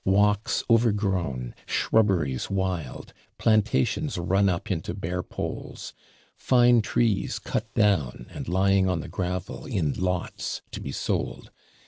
Walks overgrown, shrubberies wild, plantations run up into bare poles; fine trees cut down, and lying on the gravel in lots to be sold.